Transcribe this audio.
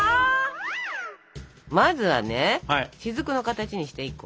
まずはねしずくの形にして１個。